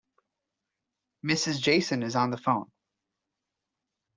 Mrs. Jason is on the phone.